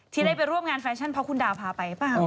ที่ได้ไปร่วมงานแฟชั่นเพราะคุณดาวพาไปหรือเปล่า